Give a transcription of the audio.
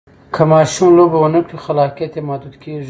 که ماشوم لوبه ونه کړي، خلاقیت یې محدود کېږي.